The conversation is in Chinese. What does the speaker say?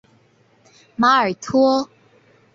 马尔托。